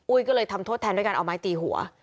ก็เลยทำโทษแทนด้วยการเอาไม้ตีหัว